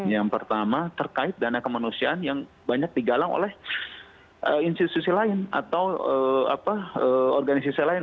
yang pertama terkait dana kemanusiaan yang banyak digalang oleh institusi lain atau organisasi lain